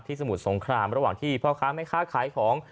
สมุทรสงครามระหว่างที่พ่อค้าแม่ค้าขายของ